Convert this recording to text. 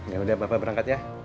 yaudah bapak berangkat ya